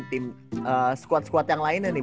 tim squad squad yang lainnya nih